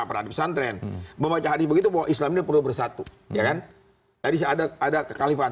peradip santren membaca hadits begitu islam perlu bersatu ya kan jadi ada ada kekalifatan